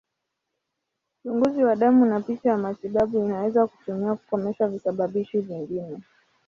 Uchunguzi wa damu na picha ya matibabu inaweza kutumiwa kukomesha visababishi vingine.